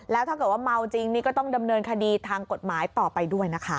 แล้วถ้าเกิดว่าเมาจริงนี่ก็ต้องดำเนินคดีทางกฎหมายต่อไปด้วยนะคะ